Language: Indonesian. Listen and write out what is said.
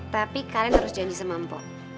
tapi kalian harus janji sama mpok